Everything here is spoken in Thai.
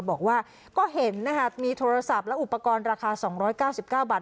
บอกว่าก็เห็นนะคะมีโทรศัพท์และอุปกรณ์ราคา๒๙๙บาท